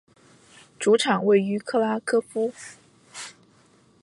主场位于克拉科夫。